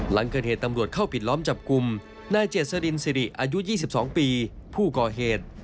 หลังเกิดเหตุตำรวจเข้าปิดล้อมจับกลุ่มนายเจษฎินสิริอายุ๒๒ปีผู้ก่อเหตุ